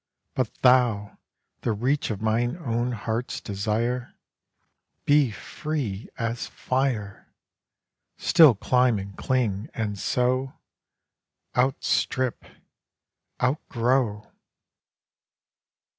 But thou, the reach of my own heart's desire, Be free as fire! Still climb and cling; and so Outstrip, outgrow.